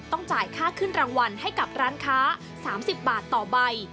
จ่ายค่าขึ้นรางวัลให้กับร้านค้า๓๐บาทต่อใบ